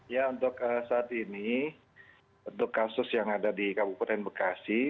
ya untuk saat ini untuk kasus yang ada di kabupaten bekasi